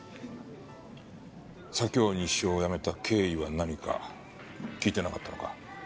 左京西署を辞めた経緯は何か聞いてなかったのか？